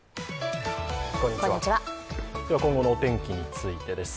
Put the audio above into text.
今後のお天気についてです。